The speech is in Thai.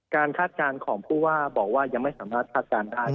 คาดการณ์ของผู้ว่าบอกว่ายังไม่สามารถคาดการณ์ได้